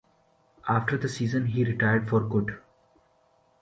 After the season, he retired for good.